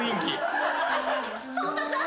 草太さん！